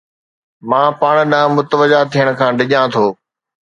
مان پاڻ ڏانهن متوجه ٿيڻ کان ڊڄان ٿو